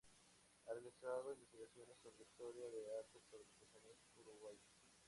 Ha realizado investigaciones sobre historia del arte y sobre artesanía uruguaya.